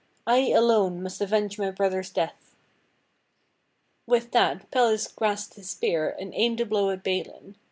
I alone must avenge my brother's death !" With that Pelles grasped his spear and aimed a blow at Balin.